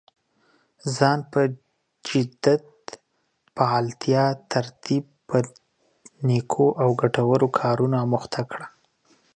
ځان په جديت، فعاليتا، ترتيب په نيکو او ګټورو کارونو اموخته کړه.